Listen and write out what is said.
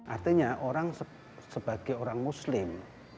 artinya orang sebagai orang muslim